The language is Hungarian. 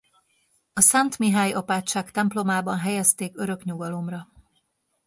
A Szent Mihály apátság templomában helyezték örök nyugalomra.